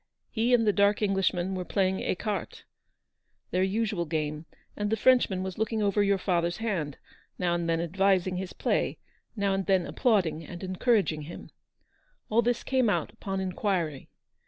He and the dark Englishman were playing ecarte, their usual game ; and the Frenchman was looking over your father's hand, now and then advising his play, now and then applauding and encouraging him. All this came out upon inquiry.